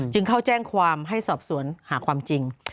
เข้าแจ้งความให้สอบสวนหาความจริง